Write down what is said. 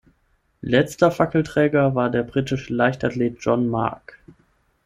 Letzter Fackelträger war der britische Leichtathlet John Mark.